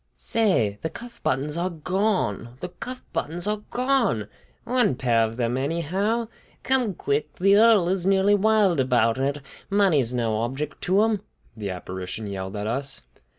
"Say! The cuff buttons are gone, the cuff buttons are gone! One pair of them, anyhow. Come quick! The earl is nearly wild about it. Money's no object to him!" the apparition yelled at us.